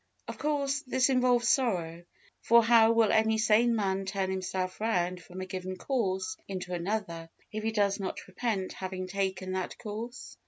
Of course, this involves sorrow, for how will any sane man turn himself round from a given course into another, if he does not repent having taken that course?